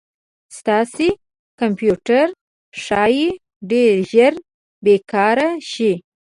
ستاسې کمپیوټر ښایي ډير ژر بې کاره شي